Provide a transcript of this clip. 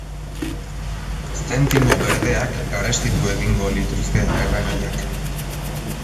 Zentimo berdeak garestitu egingo lituzke erregaiak.